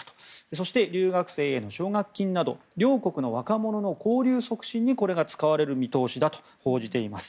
そして留学生への奨学金など両国の若者の交流促進にこれが使われる見通しだと報じています。